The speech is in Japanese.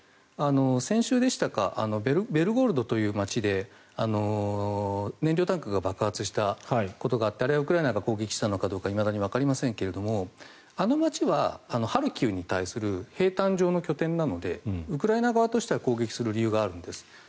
先週でしたかベルゴロドという街で燃料タンクが爆発したことがあってあれはウクライナが攻撃したのかどうかわかっていませんがあの街はハルキウに対する兵たん上の拠点なのでウクライナ側としては攻撃する理由があるんです。